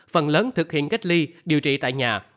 phần lớn thực hiện cách ly điều trị tại nhà